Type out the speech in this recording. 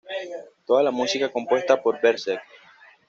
Toda la música compuesta por Berserk.